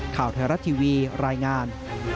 ข่าวไทยรัฐทีวีรายงาน